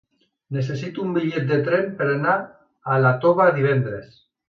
Necessito un bitllet de tren per anar a Iàtova divendres.